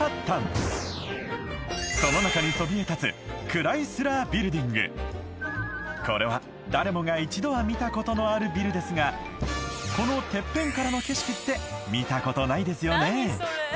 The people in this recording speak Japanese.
その中にそびえ立つこれは誰もが一度は見たことのあるビルですがこのテッペンからの景色って見たことないですよね？